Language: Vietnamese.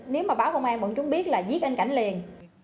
nếu mà báo công an bọn chúng biết là giết anh cảnh liền